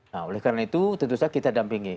nah oleh karena itu tentu saja kita dampingi